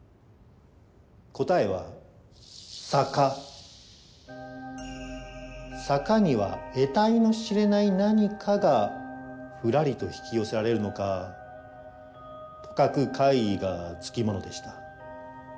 答えは坂にはえたいの知れない何かがふらりと引き寄せられるのかとかく怪異が付き物でした。